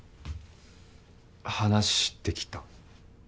話してきた